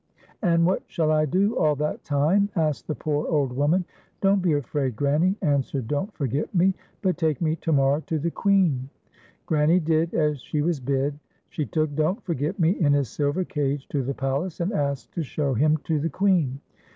"And what shall I do all that time? " asked the poor old woman. "Don't be afra'd, Granny," answered Don't Forget Me, "but take me to morrow to the Queen." Granny did as she was bid. She took Don't Forget Me in his silver cage to the palace, and asked to show him to the Queen.